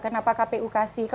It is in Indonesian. kenapa kpu kasih